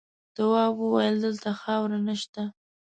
تواب وپوښتل دلته خاوره نه شته؟